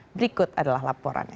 berikut adalah laporannya